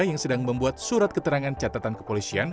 yang sedang membuat surat keterangan catatan kepolisian